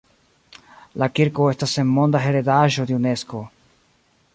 La kirko estas en Monda heredaĵo de Unesko.